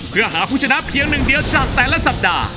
เพื่อหาผู้ชนะเพียงหนึ่งเดียวจากแต่ละสัปดาห์